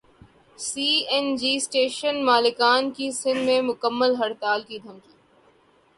سی N G station مالکان کی سندھ میں مکمل ہڑتال کی دھمکی